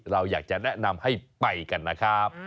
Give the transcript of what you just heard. เราอยากจะแนะนำให้ไปกันนะครับ